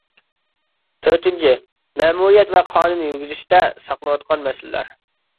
تۆتىنچى، مەمۇرىيەت ۋە قانۇن يۈرگۈزۈشتە ساقلىنىۋاتقان مەسىلىلەر.